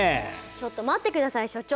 ちょっと待ってください所長。